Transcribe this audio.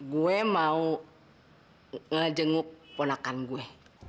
gue mau ngejenguk ponakan gue